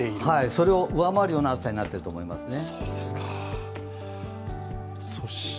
それを上回るような暑さになっていると思いますね。